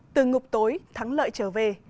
từ ngục tối thắng lợi trở về